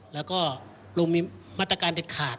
แล้วก็ลุงมีมาตรการเด็ดขาด